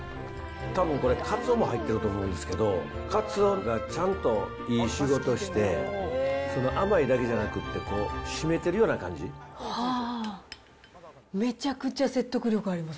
たぶんこれ、カツオも入ってると思うんですけど、カツオがちゃんといい仕事して、その甘いだけじゃなくって、こう、めちゃくちゃ説得力あります。